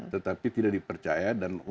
tetapi tidak dipercaya